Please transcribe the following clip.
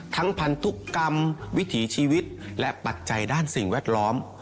พันธุกรรมวิถีชีวิตและปัจจัยด้านสิ่งแวดล้อม